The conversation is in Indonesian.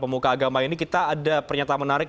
pemuka agama ini kita ada pernyataan menarik